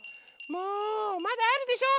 もうまだあるでしょ！